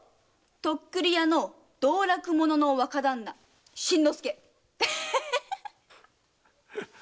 徳利屋の道楽者の若旦那・新之助！